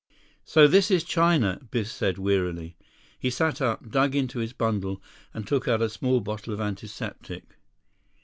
"So this is China," Biff said wearily. He sat up, dug into his bundle, and took out a small bottle of antiseptic.